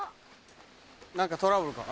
何かトラブルかな？